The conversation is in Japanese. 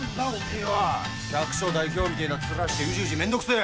百姓代表みてえな面してうじうじ面倒臭え！